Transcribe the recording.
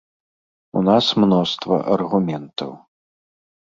У нас мноства аргументаў.